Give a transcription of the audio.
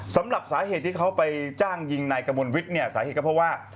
สำหรับสาเหตุที่เขาไปจ้างยิงนายกระมวลวิทย์เนี่ยสาเหตุก็เพราะว่า